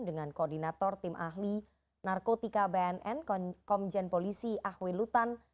dengan koordinator tim ahli narkotika bnn komjen polisi ahwi lutan